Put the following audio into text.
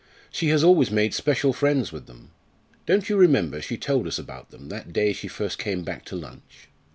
"She has always made special friends with them. Don't you remember she told us about them that day she first came back to lunch?"